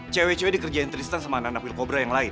cewek cewek dikerjain tristan sama anak wilcobra yang lain